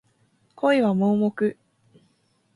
恋は盲目